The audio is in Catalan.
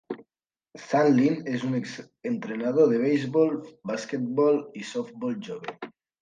Sandlin és un exentrenador de beisbol, basquetbol i softbol jove.